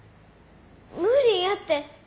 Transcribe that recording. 無理やて。